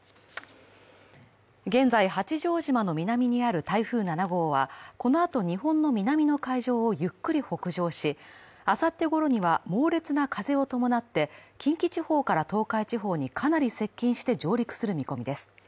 現在、八丈島の南にある台風７号はこのあと日本の南の海上をゆっくり北上し、あさってごろには猛烈な風を伴って近畿地方から東海地方にかなり接近して上陸する見込みです。